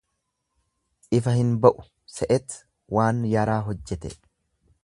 Ifa hin ba'u se'et waan yaraa hojjete.